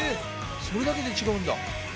それだけで違うんだ。